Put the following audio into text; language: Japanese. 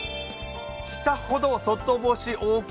北ほど外干しＯＫ